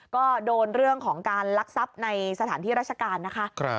ก็โดนเรื่องของการลักทรัพย์ในสถานที่ราชการนะคะ